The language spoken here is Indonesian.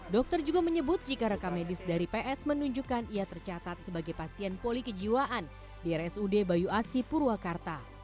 dokter juga menyebut jika reka medis dari ps menunjukkan ia tercatat sebagai pasien poli kejiwaan di rsud bayu asi purwakarta